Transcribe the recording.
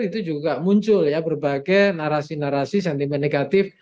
itu juga muncul ya berbagai narasi narasi sentimen negatif